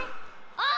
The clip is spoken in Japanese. あっ！